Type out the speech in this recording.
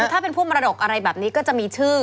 ถ้าเป็นผู้มรดกอะไรแบบนี้ก็จะมีชื่อ